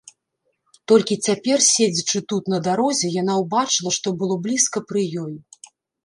Толькі цяпер, седзячы тут, на дарозе, яна ўбачыла, што было блізка пры ёй.